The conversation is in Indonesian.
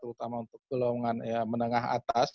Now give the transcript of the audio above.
terutama untuk golongan menengah atas